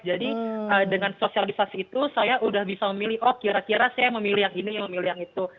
jadi dengan sosialisasi itu saya sudah bisa memilih oh kira kira saya memilih yang ini memilih yang itu